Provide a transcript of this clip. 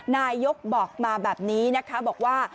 นายกบอกมาแบบนี้นะคะบอกว่า